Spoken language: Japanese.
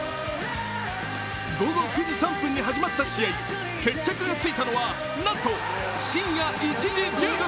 午後９時３分に始まった試合決着が着いたのはなんと深夜１時１５分。